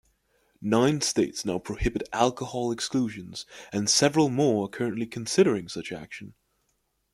Nine states now prohibit alcohol exclusions and several more are currently considering such action.